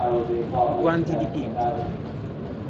I guanti dipinti.